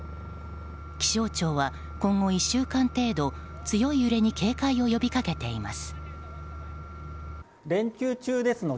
気象庁は今後１週間程度、強い揺れに警戒を呼びかけています。